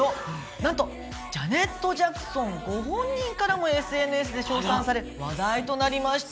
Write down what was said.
なんとジャネット・ジャクソンご本人からもＳＮＳで称賛され話題となりました。